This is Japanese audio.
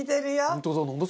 本当だ。